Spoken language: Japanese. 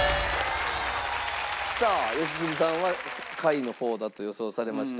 さあ良純さんは下位の方だと予想されました。